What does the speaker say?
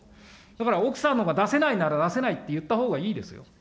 だから、奥さんのが出せないんなら、出せないって言ったほうがいいですよ。